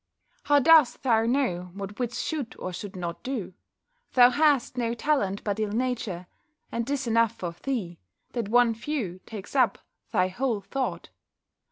"How dost thou know what wits should or should not do? Thou hast no talent but ill nature; and 'tis enough for thee, that one view takes up thy whole thought.